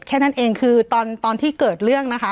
แค่นั้นเองคือตอนที่เกิดเรื่องนะคะ